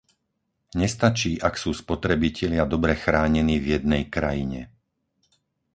Nestačí, ak sú spotrebitelia dobre chránení v jednej krajine.